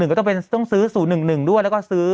ก็ต้องสื้อ๐๑๑ด้วยแล้วก็สื้อ๐๑๒ด้วย